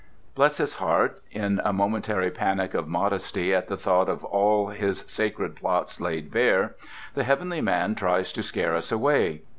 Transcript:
Bless his heart, in a momentary panic of modesty at the thought of all hi sacred plots laid bare, the heavenly man tries to scare us away.